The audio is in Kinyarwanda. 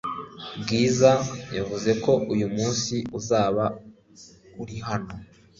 Bwiza yavuze ko uyu munsi uzaba uri hano .